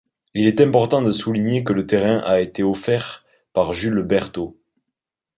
Il est important de souligner que le terrain a été offert par Jules Bertaut.